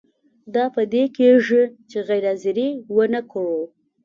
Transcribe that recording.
دا په دې کیږي چې غیر حاضري ونه کړو.